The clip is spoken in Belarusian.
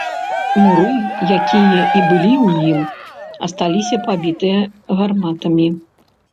Муры, якія і былі ў ім, асталіся пабітыя гарматамі.